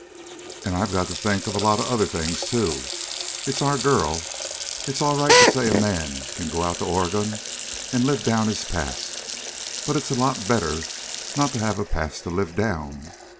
"And I've got to think of a lot of other things, too. It's our girl. It's all right to say a man can go out to Oregon and live down his past, but it's a lot better not to have no past to live down.